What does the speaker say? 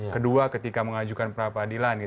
kedua ketika mengajukan perapradilan